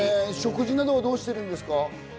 食事などはどうしてるんですか？